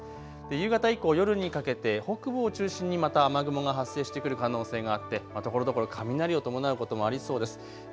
夕方以降、夜にかけて北部を中心にまた雨雲が発生してくる可能性があってところどころ雷を伴うこともありそうです。